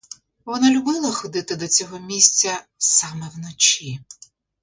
Вона любила ходити до цього місця саме вночі.